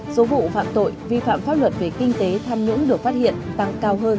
số vụ phạm tội vi phạm pháp luật về kinh tế tham nhũng được phát hiện tăng cao hơn